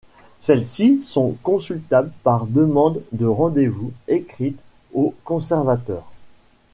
Celles-ci sont consultables par demande de rendez-vous écrite au conservateur.